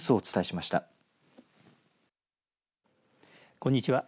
こんにちは。